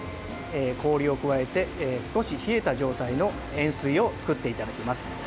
氷を加えて少し冷えた状態の塩水を作っていただきます。